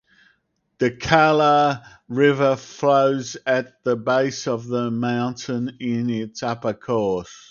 The Kalar river flows at the base of the mountain in its upper course.